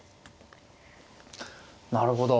なるほど。